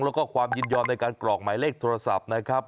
แล้วก็ความยินยอมในการกรอกหมายเลขโทรศัพท์นะครับ